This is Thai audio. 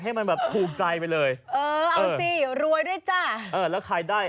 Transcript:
ให้มันแบบถูกใจไปเลยเออเอาสิรวยด้วยจ้ะเออแล้วใครได้